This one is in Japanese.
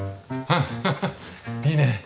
あいいね。